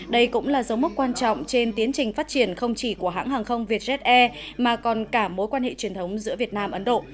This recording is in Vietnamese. đây cũng là dấu mốc quan trọng trên tiến trình phát triển không chỉ của hãng hàng không vietjet air mà còn cả mối quan hệ truyền thống giữa việt nam ấn độ